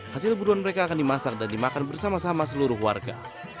hasil buruan mereka akan dimasak dan dimakan bersama sama seluruh warga